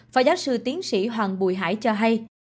phó giáo sư tiến sĩ hoàng bùi hải cho hay